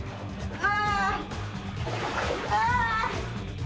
うわ！